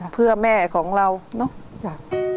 เพื่อแม่ของเราเนาะ